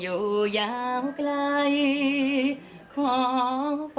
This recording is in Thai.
จะรู้สึกได้บ้างคะผม